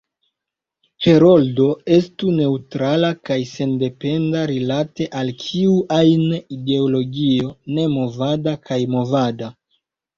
“Heroldo“ estu neŭtrala kaj sendependa rilate al kiu ajn ideologio nemovada kaj movada.